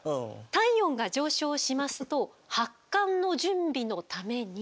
体温が上昇しますと発汗の準備のために。